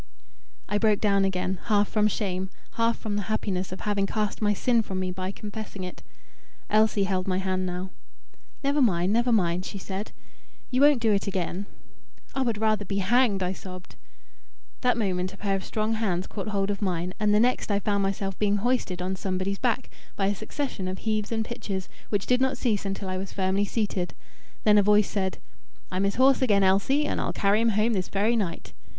I broke down again, half from shame, half from the happiness of having cast my sin from me by confessing it. Elsie held my hand now. "Never mind; never mind," she said; "you won't do it again." "I would rather be hanged," I sobbed. That moment a pair of strong hands caught hold of mine, and the next I found myself being hoisted on somebody's back, by a succession of heaves and pitches, which did not cease until I was firmly seated. Then a voice said "I'm his horse again, Elsie, and I'll carry him home this very night."